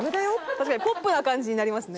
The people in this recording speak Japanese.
確かにポップな感じになりますね。